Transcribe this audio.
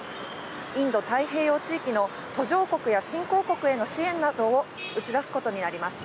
インド太平洋地域の途上国や新興国への支援などを打ち出すことになります。